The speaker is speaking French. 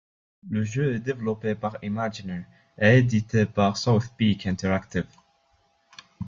Le jeu est développé par Imagineer et édité par SouthPeak Interactive.